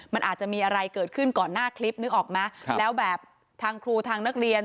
มันอาจจะมีอะไรเกิดขึ้นก่อนหน้าคลิปนึกออกไหมแล้วแบบทางครูทางนักเรียน